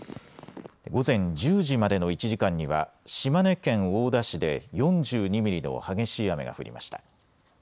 午前１０時までの１時間には島根県大田市で４２ミリの激しい雨が降りました。